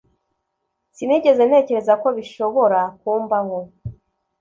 Sinigeze ntekereza ko bishobora kumbaho